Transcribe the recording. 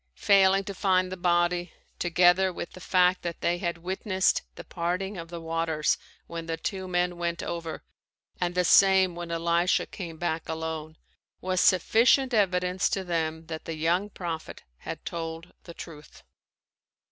Failing to find the body, together with the fact that they had witnessed the parting of the waters when the two men went over and the same when Elisha came back alone, was sufficient evidence to them that the young prophet had told the truth.